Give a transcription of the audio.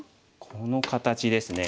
この形ですね。